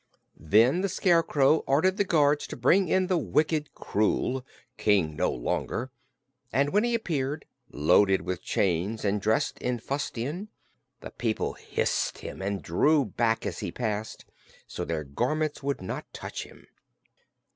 Then the Scarecrow ordered the guards to bring in the wicked Krewl, King no longer, and when he appeared, loaded with chains and dressed in fustian, the people hissed him and drew back as he passed so their garments would not touch him.